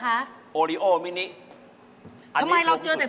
เอาของแดมมาชนของสวยอย่างงานตรงนี้ครับคุณแม่ตั๊ก